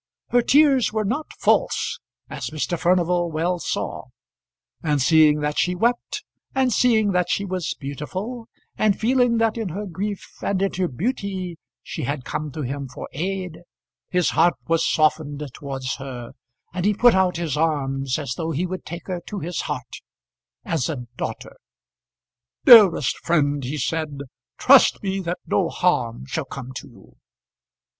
Her tears were not false as Mr. Furnival well saw; and seeing that she wept, and seeing that she was beautiful, and feeling that in her grief and in her beauty she had come to him for aid, his heart was softened towards her, and he put out his arms as though he would take her to his heart as a daughter. "Dearest friend," he said, "trust me that no harm shall come to you."